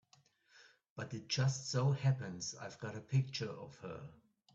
But it just so happens I've got a picture of her.